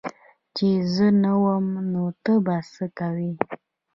چي زه نه وم نو ته به څه کوي